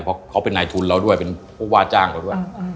เพราะเขาเป็นนายทุนเราด้วยเป็นผู้ว่าจ้างเราด้วย